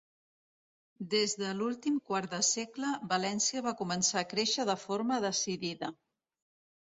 Des de l'últim quart de segle València va començar a créixer de forma decidida.